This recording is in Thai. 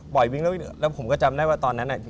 ปล่อยวิ่งแล้วแล้วผมก็จำได้ว่าตอนนั้นน่ะ